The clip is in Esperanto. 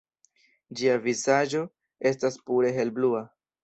Ĝia vizaĝo estas pure helblua.